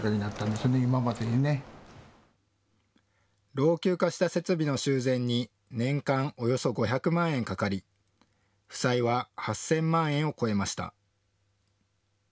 老朽化した設備の修繕に年間およそ５００万円かかり負債は８０００万円を超えました。